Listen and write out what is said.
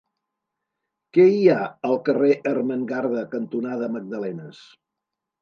Què hi ha al carrer Ermengarda cantonada Magdalenes?